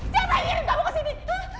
siapa yang ngirim kamu ke sini